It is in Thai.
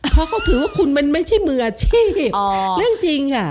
เพราะเขาถือว่าคุณมันไม่ใช่มืออาชีพเรื่องจริง